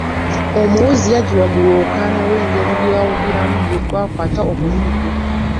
Omuwuzi yagibwa mu lwokaano olw'engeri by'awugirwamu gye byakwata omubiri ggwe.